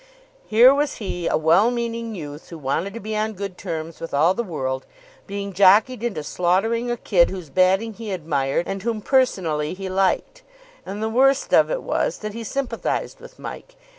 Here was he, a well meaning youth who wanted to be on good terms with all the world, being jockeyed into slaughtering a kid whose batting he admired and whom personally he liked. And the worst of it was that he sympathised with Mike.